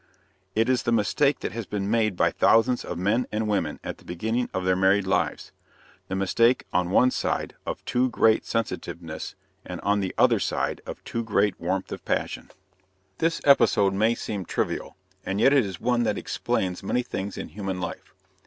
It is the mistake that has been made by thousands of men and women at the beginning of their married lives the mistake on one side of too great sensitiveness, and on the other side of too great warmth of passion. This episode may seem trivial, and yet it is one that explains many things in human life.